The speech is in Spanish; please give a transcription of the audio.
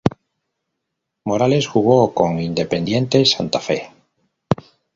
Morales jugó con Independiente Santa Fe.